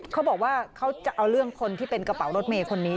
เขาบอกว่าเขาจะเอาเรื่องคนที่เป็นกระเป๋ารถเมย์คนนี้